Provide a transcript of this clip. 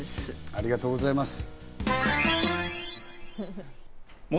ありがとうございます。